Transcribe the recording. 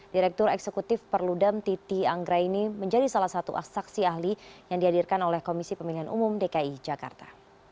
direktur eksekutif perludem titi anggraini menjadi salah satu saksi ahli yang dihadirkan oleh komisi pemilihan umum dki jakarta